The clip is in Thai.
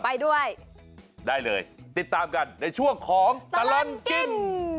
ไปด้วยได้เลยติดตามกันในช่วงของตลอดกิน